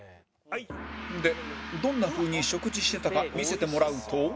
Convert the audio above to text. でどんなふうに食事していたか見せてもらうと